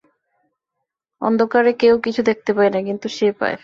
অন্ধকারে কেউ কিছু দেখতে পায় না, কিন্তু সে পায়।